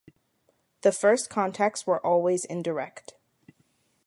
The first contacts were always indirect.